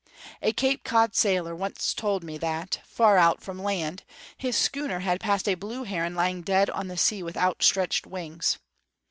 A Cape Cod sailor once told me that, far out from land, his schooner had passed a blue heron lying dead on the sea with outstretched wings.